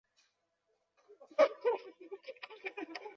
目前在国立台湾文学馆任职。